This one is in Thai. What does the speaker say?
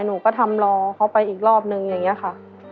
หนูก็ทำรอเขาไปอีกรอบนึงอย่างนี้ค่ะ